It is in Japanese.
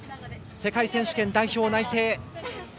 世界選手権代表内定。